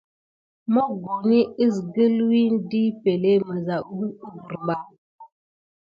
Mokoni kiskule wune de epəŋle misa wuvere ɓa askilan.